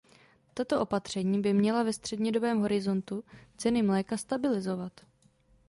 Tato opatření by měla ve střednědobém horizontu ceny mléka stabilizovat.